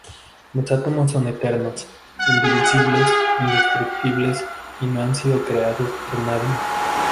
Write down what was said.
Los átomos son eternos, indivisibles, indestructibles y no han sido creados por nadie.